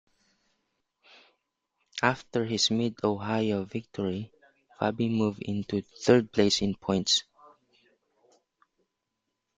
After his Mid-Ohio victory Fabi moved into third place in points.